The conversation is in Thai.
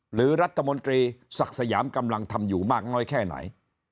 หรือรัฐมนตรีศักดิ์สยามกำลังทำอยู่มากน้อยแค่ไหน